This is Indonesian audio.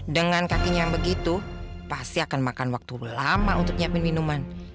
dengan kakinya yang begitu pasti akan makan waktu lama untuk nyiapin minuman